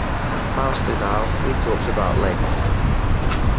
Mostly, though, we talked about legs.